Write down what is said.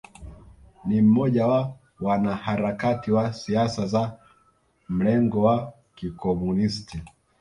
Ni mmoja wa wanaharakati wa siasa za mlengo wa Kikomunisti